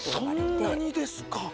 そんなにですか！